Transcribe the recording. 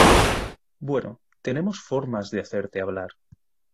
Bueno, tenemos formas de hacerte hablar.